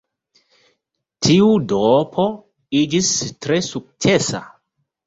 Tiu duopo iĝis tre sukcesa.